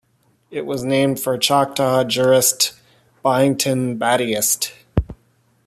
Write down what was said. It was named for Choctaw jurist Byington Battiest.